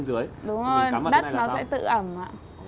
đúng rồi đất nó sẽ tự ẩm ạ